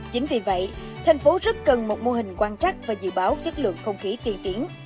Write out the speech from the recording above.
chính vì vậy thành phố rất cần một mô hình quan trắc và dự báo chất lượng không khí tiên tiến